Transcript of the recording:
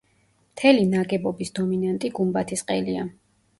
მთელი ნაგებობის დომინანტი გუმბათის ყელია.